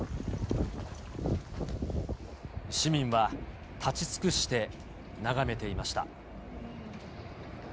市民は立ち尽くして眺めていました。